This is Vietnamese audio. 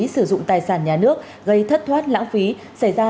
sử dụng tài sản nhà nước gây thất thoát lãng phí xảy ra